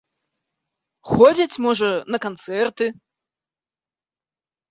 Ходзяць, можа, на канцэрты?